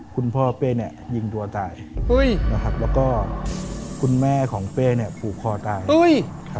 เป้เนี่ยยิงตัวตายนะครับแล้วก็คุณแม่ของเป้เนี่ยผูกคอตาย